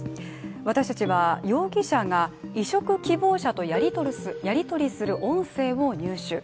私たちは容疑者が移植希望者とやり取りする音声を入手。